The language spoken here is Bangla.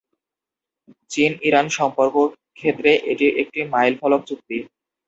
চীন-ইরান সম্পর্ক ক্ষেত্রে এটি একটি মাইলফলক চুক্তি।